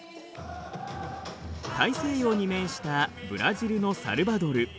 大西洋に面したブラジルのサルヴァドル。